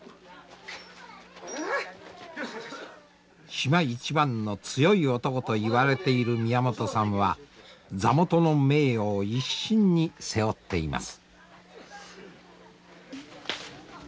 島一番の強い男といわれている宮本さんは座元の名誉を一身に背負っています。